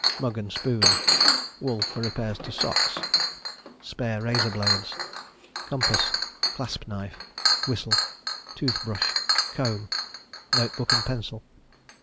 Mug and spoon. Wool for repairs to socks. Spare razor blades. Compass. Clasp knife. Whistle. Tooth brush. Comb. Notebook and pencil.